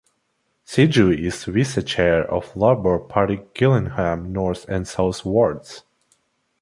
Siju is Vice Chair of Labour Party Gillingham North and South Wards.